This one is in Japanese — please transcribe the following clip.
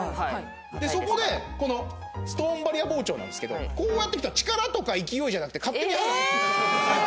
そこでこのストーンバリア包丁なんですけどこうやって来たら力とか勢いじゃなくて勝手に。